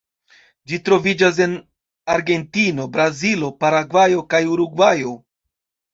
Ĝi troviĝas en Argentino, Brazilo, Paragvajo kaj Urugvajo.